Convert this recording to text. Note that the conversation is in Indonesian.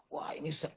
wah ini susah